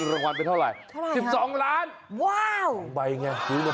ถูกรางวัลที่๑นะจ๊ะแล้วคว้าเงินรางวัลหนึ่งเป็นเท่าไหร่